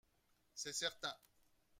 C’est certain